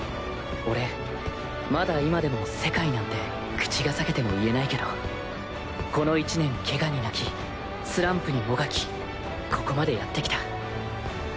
俺まだ今でも世界なんて口がさけても言えないけどこの１年ケガに泣きスランプにもがきここまでやってきた。